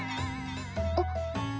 あっ！